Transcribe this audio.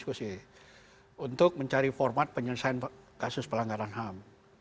untuk mencari format penyelesaian kasus pelanggaran ham